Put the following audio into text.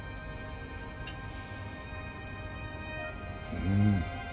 うん。